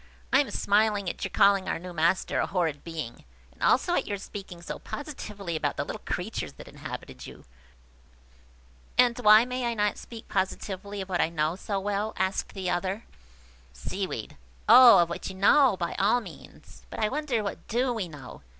"I am smiling at your calling our new master a horrid being, and also at your speaking so positively about the little creatures that inhabited you." "And why may I not speak positively of what I know so well? " asked the other. Seaweed. "Oh, of what you know, by all means! But I wonder what we do know!